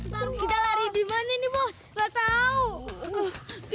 sampai jumpa lagi